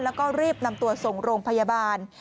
แล้วก็รีบนำตัวส่งโรงพยาบาล